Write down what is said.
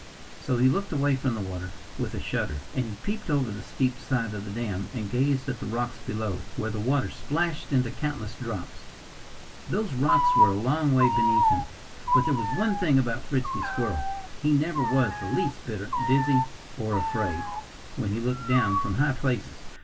So he looked away from the water with a shudder. And he peeped over the steep side of the dam and gazed at the rocks below, where the water splashed into countless drops. Those rocks were a long way beneath him. But there was one thing about Frisky Squirrel he never was the least bit dizzy, or afraid, when he looked down from high places.